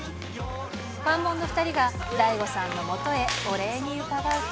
ファンモンの２人が大悟さんのもとへ、お礼に伺うと。